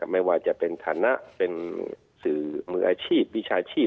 ไม่ว่าจะเป็นฐานะเป็นสื่อมืออาชีพวิชาชีพ